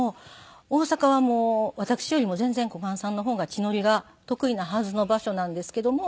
大阪はもう私よりも全然小雁さんの方が地の利が得意なはずの場所なんですけども